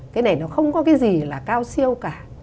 cái này nó không có cái gì là cao siêu cả